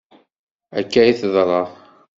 Akka i teḍra.